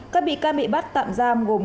các bị can bị bắt tạm giam gồm nguyễn văn